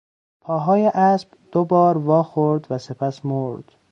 پاهای اسب دوبار وا خورد و سپس مرد.